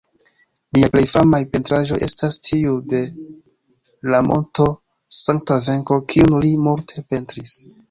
Liaj plej famaj pentraĵoj estas tiuj de la monto Sankta-Venko kiun li multe pentris.